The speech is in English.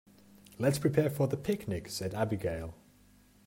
"Let's prepare for the picnic!", said Abigail.